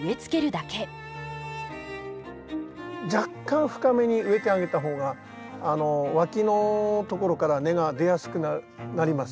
若干深めに植えてあげた方がわきのところから根が出やすくなります。